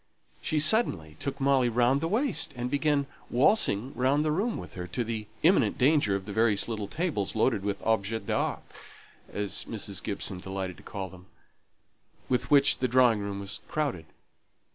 She suddenly took Molly round the waist, and began waltzing round the room with her, to the imminent danger of the various little tables, loaded with "objets d'art" (as Mrs. Gibson delighted to call them) with which the drawing room was crowded.